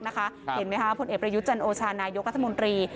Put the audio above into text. เห็นไหมผลเอกประยุจันทร์โอชานายุครัฐมนตรี